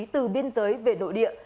từ biên giới về nội địa